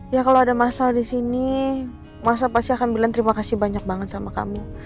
ya kalau ada masalah di sini masa pasti akan bilang terima kasih banyak banget sama kamu